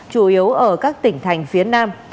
chủ yếu ở các tỉnh thành phía nam